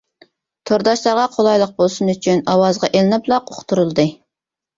تورداشلارغا قولايلىق بولسۇن ئۈچۈن ئاۋازغا ئېلىنىپلا ئۇقتۇرۇلدى!